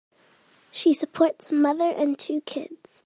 She supports a mother and two kids.